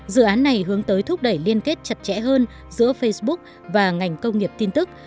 dự án này hướng tới thúc đẩy liên kết chặt chẽ hơn giữa facebook và ngành công nghiệp tin tức